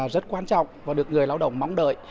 rất quan trọng và được người lao động mong đợi